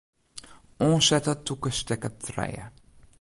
Oansette tûke stekker trije.